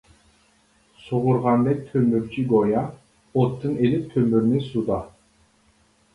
سۇغارغاندەك تۆمۈرچى گويا، ئوتتىن ئېلىپ تۆمۈرنى سۇدا.